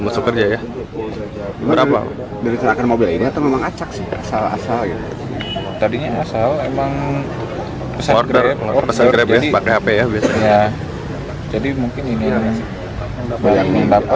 terbit asok bapak